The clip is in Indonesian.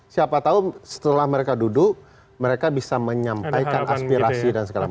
siapa tahu setelah mereka duduk mereka bisa menyampaikan aspirasi dan segala macam